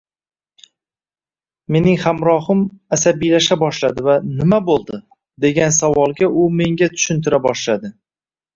Mening hamrohim asabiylasha boshladi va "nima bo'ldi?" Degan savolga u menga tushuntira boshladi